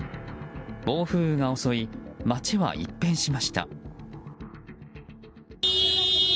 暴風雨が襲い街は一変しました。